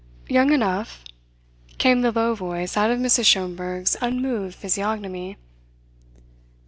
"Young enough," came the low voice out of Mrs. Schomberg's unmoved physiognomy.